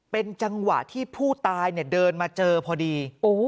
เป็นจังหวะที่ผู้ตายเดินมาเจอพอดี